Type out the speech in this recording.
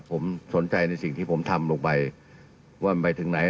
ผมสนใจงานการเมือง